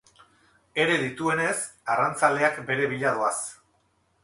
Ere dituenez, arrantzaleak bere bila doaz.